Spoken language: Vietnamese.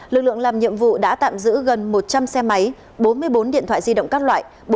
lực lượng làm nhiệm vụ đã tạm giữ gần một trăm linh xe máy bốn mươi bốn điện thoại di động các loại